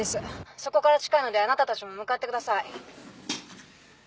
「そこから近いのであなたたちも向かってください」